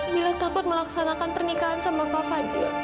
mila takut melaksanakan pernikahan sama kak fadil